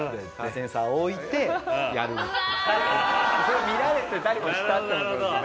それ見られてたりもしたって事ですね。